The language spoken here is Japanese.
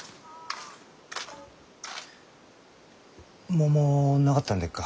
桃なかったんでっか？